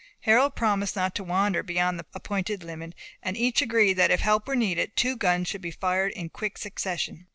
Harold promised not to wander beyond the appointed limit; and each agreed that if help were needed, two guns should be fired in quick succession.